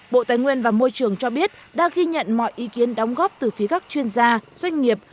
bộ tài nguyên và môi trường cho biết đã ghi nhận mọi ý kiến đóng góp từ phía các chuyên gia doanh nghiệp